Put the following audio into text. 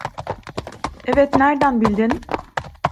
Evet, nereden bildin?